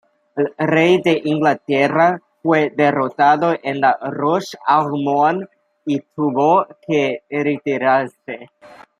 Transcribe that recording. El rey de Inglaterra fue derrotado en La Roche-aux-Moines y tuvo que retirarse.